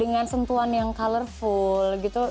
dengan sentuhan yang colorful gitu